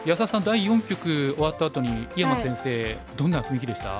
第四局終わったあとに井山先生どんな雰囲気でした？